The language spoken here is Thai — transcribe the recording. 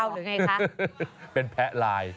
หนึ่งแหล่งแฟร์ไลน์